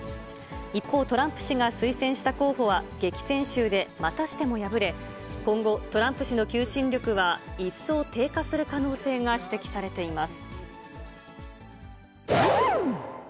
一方、トランプ氏が推薦した候補は激戦州でまたしても敗れ、今後、トランプ氏の求心力は一層低下する可能性が指摘されています。